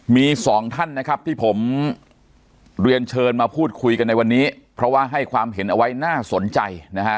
มีสองท่านนะครับที่ผมเรียนเชิญมาพูดคุยกันในวันนี้เพราะว่าให้ความเห็นเอาไว้น่าสนใจนะฮะ